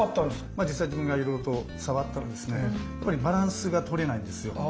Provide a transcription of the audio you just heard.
まあ実際自分がいろいろと触ったらバランスがとれないんですよ。